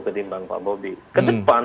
ketimbang pak bobi kedepan